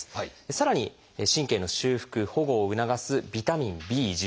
さらに神経の修復・保護を促す「ビタミンＢ」。